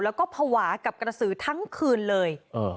แล้วก็ภาวะกับกระสือทั้งคืนเลย